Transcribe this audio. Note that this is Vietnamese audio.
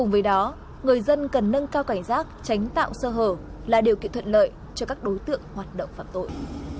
với đó người dân cần nâng cao cảnh giác tránh tạo sơ hở là điều kiện thuận lợi cho các đối tượng hoạt động phạm tội